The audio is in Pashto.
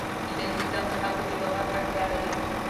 اداري نظام د خلکو د باور اړتیا لري.